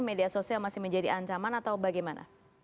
media sosial masih menjadi ancaman atau bagaimana